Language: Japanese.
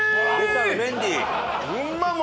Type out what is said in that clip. うメンディー！